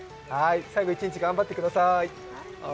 最後一日頑張ってください。